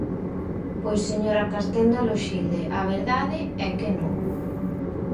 Pois, señora Castenda Loxilde, a verdade é que non.